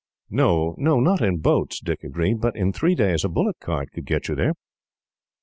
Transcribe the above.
"No, not in boats," Dick agreed; "but in three days a bullock cart would get you there."